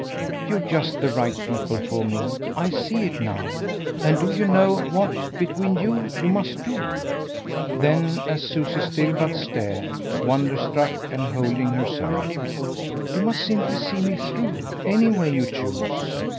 You're just the right people for me I see it now; and do you know what, between you, you must do?" Then as Susie still but stared, wonderstruck and holding herself: "You must simply see me through. Any way you choose.